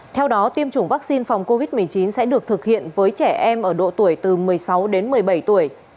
theo đó tiêm chủng vaccine phòng covid một mươi chín sẽ được thực hiện với trẻ em ở độ tuổi từ một mươi sáu đến một mươi bảy tuổi